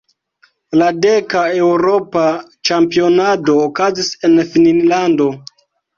La deka eŭropa ĉampionado okazis en Finnlando.